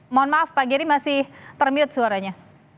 mohon maaf pak geri masih termute suaranya